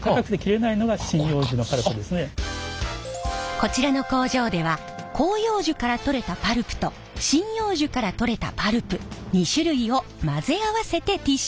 こちらの工場では広葉樹からとれたパルプと針葉樹からとれたパルプ２種類を混ぜ合わせてティッシュを製造。